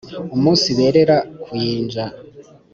Umunsi berera ku Kiyanja